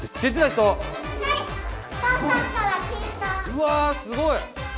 うわすごい！